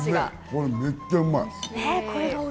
めっちゃうまい。